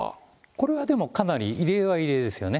これがでも異例は異例ですよね。